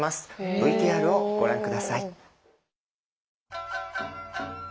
ＶＴＲをご覧下さい。